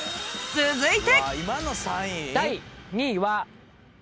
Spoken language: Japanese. ［続いて］